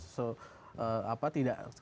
so apa tidak